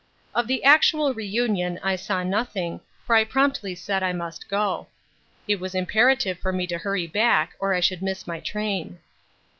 Of the actual reunion I saw nothing, for I promptly said I must go. It was imperative for me to hurry back, or I should miss my train.